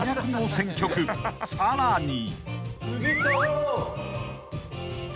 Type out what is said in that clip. ［さらに］